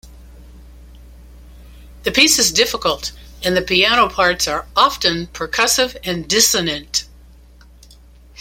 The piece is difficult, and the piano parts are often percussive and dissonant.